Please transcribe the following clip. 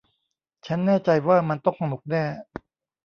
ฉันแน่ใจว่ามันต้องสนุกแน่